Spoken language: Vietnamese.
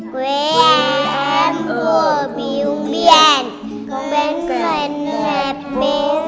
quế đám bùa bi keywords